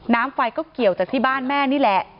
น้ำไฟก็เกี่ยวจากที่บ้านแม่นี่แหละ